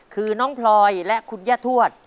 คือน้องพลอยและคุณย่าทวด